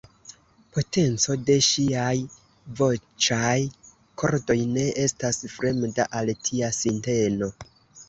Potenco de ŝiaj voĉaj kordoj ne estas fremda al tia sinteno.